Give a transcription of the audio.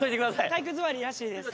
体育座りらしいです。